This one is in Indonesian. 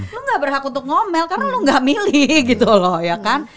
lo gak berhak untuk ngomel karena lu gak milih gitu loh ya kan